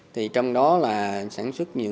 thì trong đó là sản xuất các loại mắm